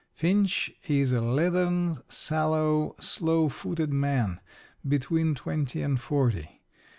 Finch is a leathern, sallow, slow footed man, between twenty and forty.